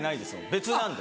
別なんで。